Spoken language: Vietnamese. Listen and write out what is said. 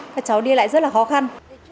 các cháu đi lại rất là khó khăn